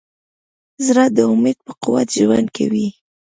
زړه د امید په قوت ژوند کوي.